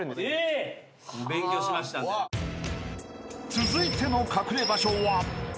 ［続いての隠れ場所は］